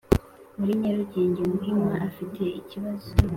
muri Nyarugugenge Muhima afite ikibazo